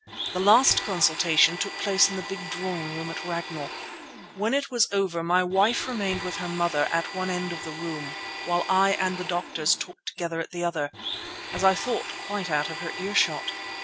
The last consultation took place in the big drawing room at Ragnall. When it was over my wife remained with her mother at one end of the room while I and the doctors talked together at the other, as I thought quite out of her earshot.